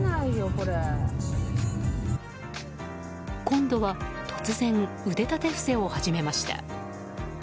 今度は突然腕立て伏せを始めました。